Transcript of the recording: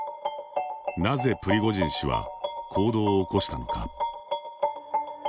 なぜ、プリゴジン氏は行動を起こしたのか。